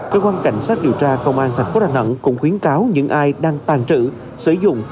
cơ quan cảnh sát điều tra công an tp đà nẵng cũng khuyến cáo những ai đang tàn trữ sử dụng